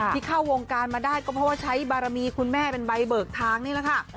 ที่เข้าวงการมาได้ก็เพราะว่าใช้บารมีคุณแม่เป็นใบเบิกทางนี่แหละค่ะ